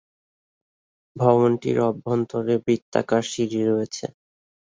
ভবনটির অভ্যন্তরে বৃত্তাকার সিঁড়ি রয়েছে।